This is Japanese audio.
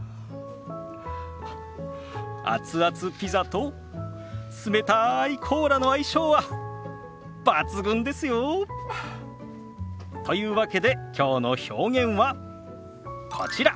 熱々ピザと冷たいコーラの相性は抜群ですよ。というわけできょうの表現はこちら。